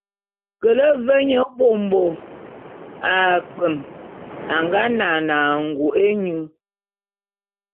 Kele ve nye mbômbo akpwem a nga nane angô’é nyô.